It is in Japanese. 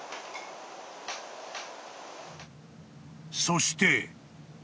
［そして］